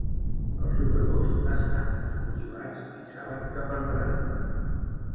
Els jugadors estan desmotivats i saben que perdran.